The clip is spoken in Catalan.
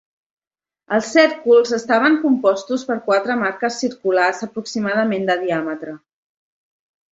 El cèrcols estaven compostos per quatre marques circulars aproximadament de diàmetre.